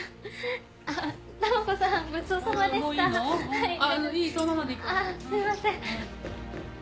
ああすいません。